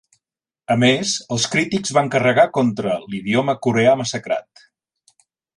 A més, els crítics van carregar contra "l'idioma coreà massacrat".